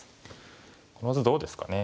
この図どうですかね。